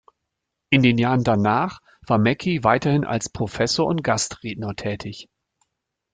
In den Jahren danach war Mackey weiterhin als Professor und Gastredner tätig.